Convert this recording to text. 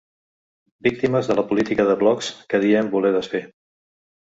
Víctimes de la política de blocs que diem voler desfer.